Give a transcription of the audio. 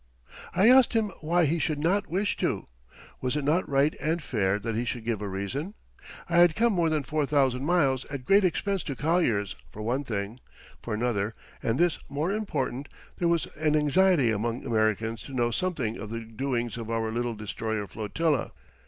I asked him why he should not wish to? Was it not right and fair that he should give a reason? I had come more than 4,000 miles at great expense to Collier's, for one thing. For another and this more important there was an anxiety among Americans to know something of the doings of our little destroyer flotilla.